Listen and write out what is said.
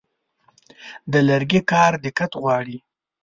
د لرګي کار دقت غواړي.